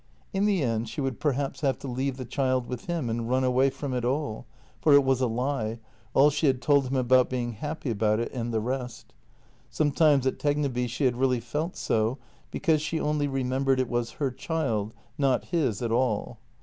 In the end she would perhaps have to leave the child with him and run away from it all — for it was a lie, all she had told him about being happy about it and the rest. Sometimes at Tegneby she had really felt so, because she only remembered it was her child — not his at all.